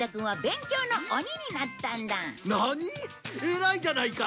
偉いじゃないか。